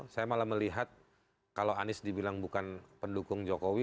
saya malah melihat kalau anies dibilang bukan pendukung jokowi